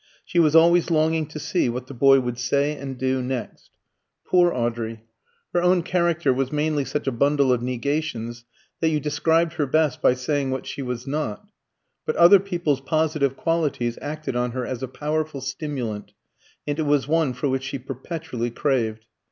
She was always longing to see what the boy would say and do next. Poor Audrey! Her own character was mainly such a bundle of negations that you described her best by saying what she was not; but other people's positive qualities acted on her as a powerful stimulant, and it was one for which she perpetually craved.